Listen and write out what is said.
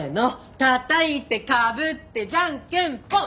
たたいてかぶってじゃんけんぽん！